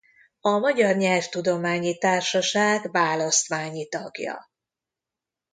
A Magyar Nyelvtudományi Társaság választmányi tagja.